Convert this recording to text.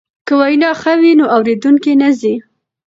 که وینا ښه وي نو اوریدونکی نه ځي.